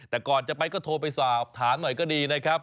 แต่ก่อนจะไปก็โทรไปสอบถามหน่อยก็ดีนะครับ